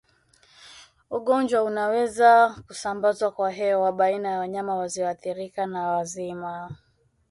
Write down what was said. Ugonjwa unaweza kusambazwa kwa hewa baina ya wanyama wazioathirika na wazima